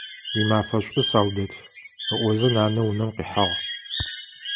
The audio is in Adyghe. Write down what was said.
Уимафэ шӀу, Саудэт! – ыӀозэ нанэ унэм къихьагъ.